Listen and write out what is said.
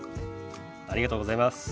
ありがとうございます。